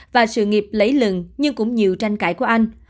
và sự nghiệp lấy lừng nhưng cũng nhiều tranh cãi của anh